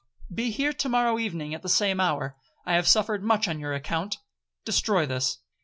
'Be here to morrow evening at the same hour. I have suffered much on your account,—destroy this.'